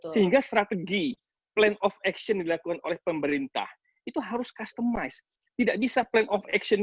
sehingga strategi plan of action dilakukan oleh pemerintah itu harus customize tidak bisa plan of action